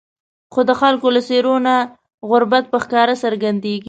خو د خلکو له څېرو نه غربت په ښکاره څرګندېږي.